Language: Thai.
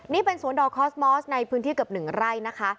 นี่เป็นสวนดอกคอสมอสในพื้นที่เกือบ๑ไร่นะคะ